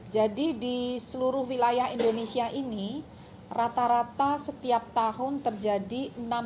jadi di seluruh wilayah indonesia ini rata rata setiap tahun terjadi